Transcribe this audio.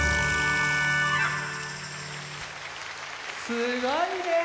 すごいね。